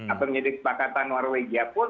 atau menjadi kesepakatan warna legia pun